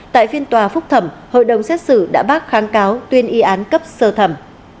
tại phiên tòa phúc thẩm hội đồng xét xử đã bác kháng cáo tuyên y án cấp sơ thẩm